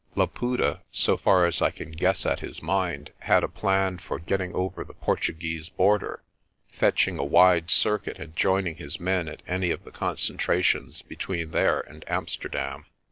Laputa, so far as I can guess at his mind, had a plan for getting over the Portuguese border, fetching a wide circuit and joining his men at any of the concentra tions between there and Amsterdam.